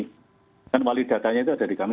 kan wali datanya itu ada di kami